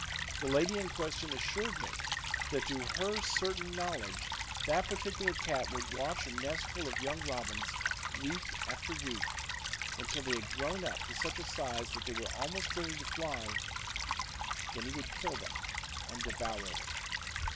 The lady in question assured me that to her certain knowledge that particular cat would watch a nestful of young robins week after week until they had grown up to such a size that they were almost ready to fly; then he would kill them and devour them.